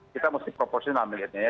kita mesti proporsional melihatnya ya